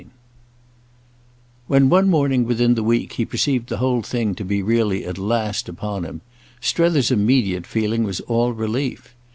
II When one morning within the week he perceived the whole thing to be really at last upon him Strether's immediate feeling was all relief.